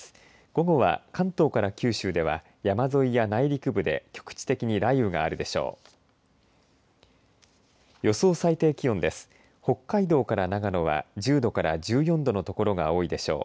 午後は関東から九州では山沿いや内陸部で局地的に雷雨があるでしょう。